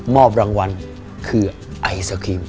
อบรางวัลคือไอศครีม